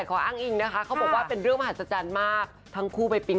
โอ้โหเค้าก็เมาท์กันไป